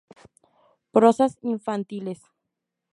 Prosas infantiles".